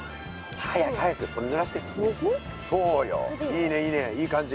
いいねいいねいい感じ。